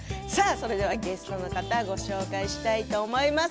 それではゲストの方ご紹介したいと思います。